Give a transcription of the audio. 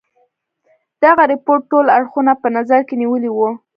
دغه رپوټ ټول اړخونه په نظر کې نیولي وه.